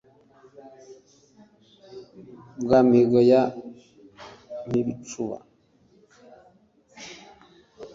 Bwa Mihigo ya Mpibicuba*,